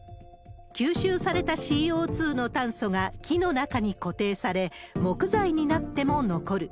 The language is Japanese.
吸収されたＣＯ２の炭素が木の中に固定され、木材になっても残る。